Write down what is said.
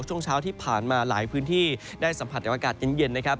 ช่วงเช้าที่ผ่านมาหลายพื้นที่ได้สัมผัสอากาศเย็นนะครับ